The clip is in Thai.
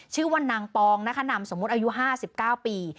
ชื่อว่านางปองนะคะนามสมมุติอายุ๕๙ปี